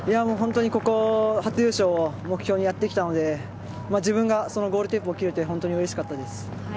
本当に初優勝を目標にやってきたので自分がゴールテープを切れて本当にうれしかったです。